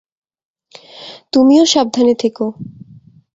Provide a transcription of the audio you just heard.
তুমিও সাবধানে থেকো।